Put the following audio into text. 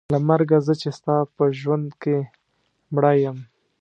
له مرګه زه چې ستا په ژوند کې مړه یم.